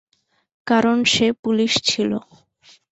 কারণ সে পুলিশ ছিল।